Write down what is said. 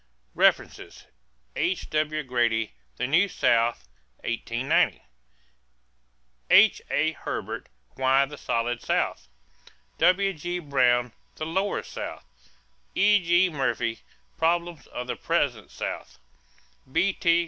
=References= H.W. Grady, The New South (1890). H.A. Herbert, Why the Solid South. W.G. Brown, The Lower South. E.G. Murphy, Problems of the Present South. B.T.